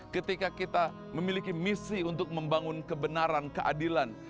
ketika kita memiliki misi untuk membangun kebenaran keadilan